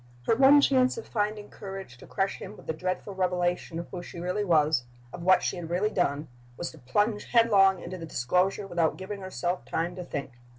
Her one chance of finding courage to crush him with the dreadful revelation of who she really was, of what she had really done, was to plunge headlong into the disclosure without giving herself time to think.